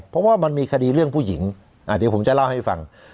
เพราะว่ามันมีคดีเรื่องผู้หญิงเดี๋ยวผมจะเล่าให้ฟัง